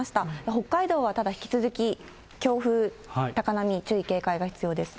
北海道はただ引き続き、強風、高波、注意、警戒が必要ですね。